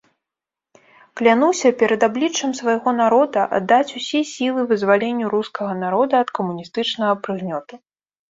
Клянуся перад абліччам свайго народа аддаць усе сілы вызваленню рускага народа ад камуністычнага прыгнёту.